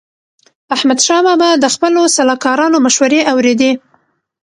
احمدشاه بابا د خپلو سلاکارانو مشوري اوريدي.